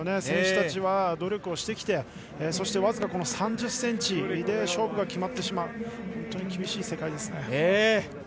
選手たちは努力をしてきてそして僅か３０ｃｍで勝負が決まってしまう本当に厳しい世界ですね。